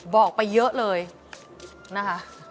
บอกไปเยอะเลยนะคะ